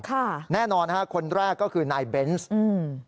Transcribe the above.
ค่ะแน่นอนฮะคนแรกก็คือนายเบนส์อืม